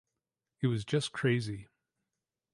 It was just crazy.